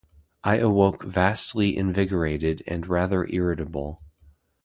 I awoke vastly invigorated and rather irritable.